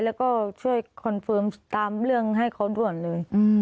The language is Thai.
แล้วก็ช่วยคอนเฟิร์มตามเรื่องให้เขาด่วนเลย